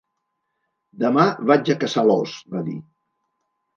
Demà vaig a caçar l'os, va dir.